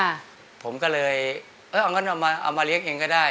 อเจมส์ผมก็เลยเอามาเลี้ยงเองก็ได้